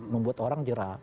membuat orang jera